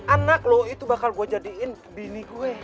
anak lo itu bakal gw jadiin bini gw